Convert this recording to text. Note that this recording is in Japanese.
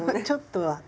ちょっとは。